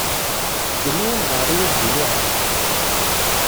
Yella walebɛaḍ i ak-d-iluɛan?